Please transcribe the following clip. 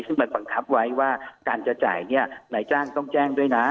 ซึ่งมันบังคับไว้ว่าการจะจ่ายเนี่ยนายจ้างต้องแจ้งด้วยนะ